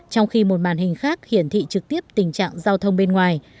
trong khi một màn hình khác hiển thị trực tiếp tình trạng giao thông bên ngoài